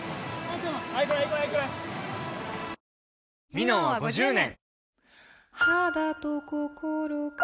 「ミノン」は５０年！